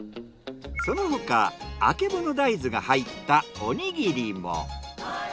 その他あけぼの大豆が入ったおにぎりも。